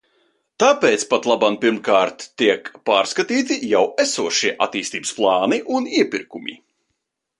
Tāpēc patlaban, pirmkārt, tiek pārskatīti jau esošie attīstības plāni un iepirkumi.